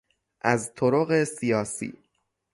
از طرق سیاسی